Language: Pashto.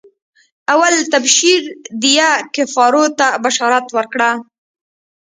اول تبشير ديه کفارو ته بشارت ورکړه.